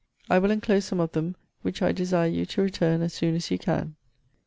I will enclose some of them, which I desire you to return as soon as you can.